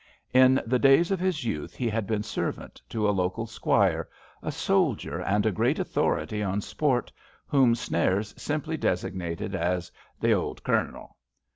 In the days of his youth he had been servant to a local squire, a soldier and a great authority on sport, whom Snares simply designated as 87 HAMPSHIRE VIGNETTES "th* old Cournel."